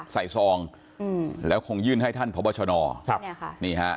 ซองอืมแล้วคงยื่นให้ท่านพบชนครับเนี่ยค่ะนี่ฮะ